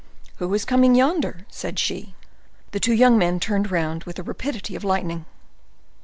"Who is coming yonder?" said she. The two young men turned round with the rapidity of lightning.